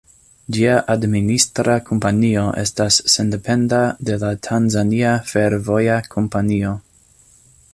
Ĝia administra kompanio estas sendependa de la Tanzania Fervoja Kompanio.